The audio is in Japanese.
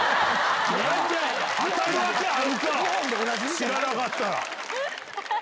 知らなかったら。